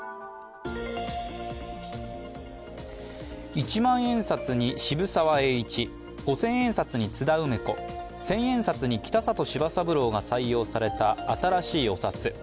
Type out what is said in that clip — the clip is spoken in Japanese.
一万円札に渋沢栄一五千円札に津田梅子千円札に北里柴三郎が採用された新しいお札。